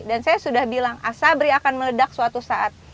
dan saya sudah bilang asabri akan meledak suatu saat